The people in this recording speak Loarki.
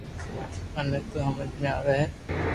مني تو ھمج ۾ آئي ھي